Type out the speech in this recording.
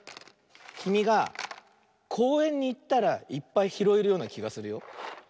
きみがこうえんにいったらいっぱいひろえるようなきがするよ。